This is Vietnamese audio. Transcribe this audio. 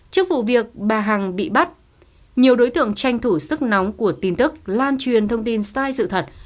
trước vụ việc bà hằng bị bắt nhiều đối tượng tranh thủ sức nóng của tin tức lan truyền thông tin sai sự thật